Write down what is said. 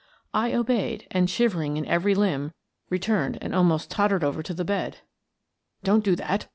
I obeyed and, shivering in every limb, returned and almost tottered over to the bed. " Don't do that